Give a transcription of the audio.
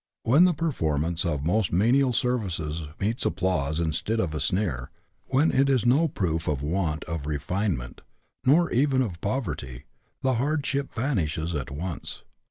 When the performance of almost menial services meets applause instead of a sneer, when it is no proof of want of refinement, nor even of poverty, the hardship vanishes at once.